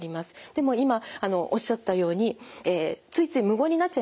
でも今おっしゃったようについつい無言になっちゃいますよね。